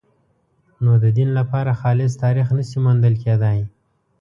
نو د دین لپاره خالص تاریخ نه شي موندل کېدای.